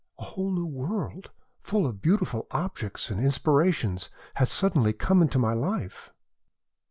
A whole new world, full of beautiful objects and inspirations, has suddenly come into my life."